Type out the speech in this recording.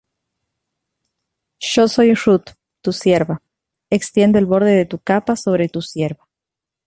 Yo soy Ruth tu sierva: extiende el borde de tu capa sobre tu sierva.